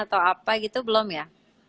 atau apa gitu belum ya